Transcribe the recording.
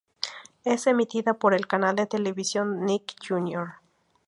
Es emitida por el canal de televisión Nick Jr.